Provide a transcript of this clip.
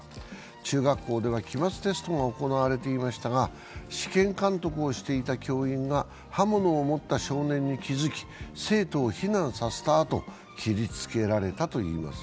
中学校では期末テストが行われていましたが試験監督をしていた教員が刃物を持った少年に気づき生徒を避難させたあと、切りつけられたといいます。